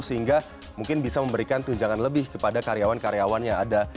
sehingga mungkin bisa memberikan tunjangan lebih kepada karyawan karyawan yang ada